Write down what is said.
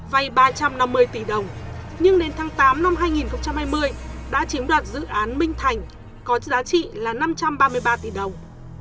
vay ba trăm năm mươi tỷ đồng nhưng đến tháng tám năm hai nghìn hai mươi đã chiếm đoạt dự án minh thành có giá trị là năm trăm ba mươi ba tỷ đồng